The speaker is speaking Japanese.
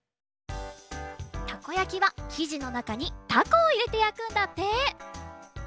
たこやきはきじのなかにたこをいれてやくんだって。